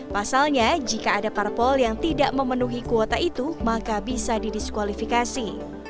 pasalnya jika ada parpol yang tidak memenuhi kuota itu maka bisa didiskualifikasi